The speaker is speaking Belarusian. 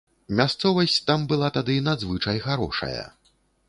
Мясцовасць там была тады надзвычай харошая.